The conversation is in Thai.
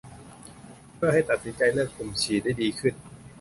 เพื่อให้ตัดสินใจเลือกกลุ่มฉีดได้ดีขึ้น